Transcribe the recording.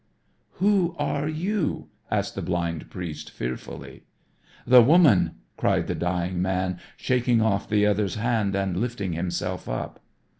"Who are you?" asked the blind priest, fearfully. "The woman!" cried the dying man shaking off the other's hand and lifting himself up.